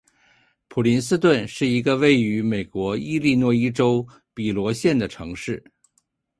普林斯顿是一个位于美国伊利诺伊州比罗县的城市。